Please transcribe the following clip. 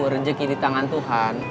rezeki di tangan tuhan